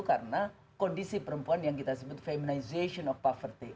karena kondisi perempuan yang kita sebut feminization of poverty